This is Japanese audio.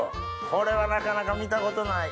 これはなかなか見たことない。